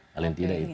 paling tidak itu